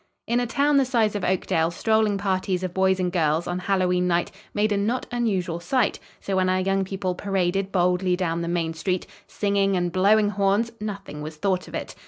In a town the size of Oakdale strolling parties of boys and girls, on Hallowe'en night, made a not unusual sight, so when our young people paraded boldly down the main street, singing and blowing horns, nothing was thought of it.